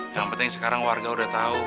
yang penting sekarang warga sudah tahu